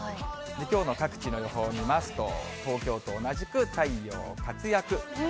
きょうの各地の予報見ますと、東京と同じく太陽活躍。